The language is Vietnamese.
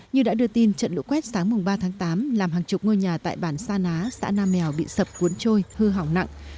như đã đưa tin trận lũ quét sáng ba tháng tám làm hàng chục ngôi nhà tại bản sa ná xã nam mèo bị sập cuốn trôi hư hỏng nặng